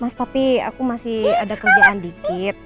mas tapi aku masih ada kerjaan dikit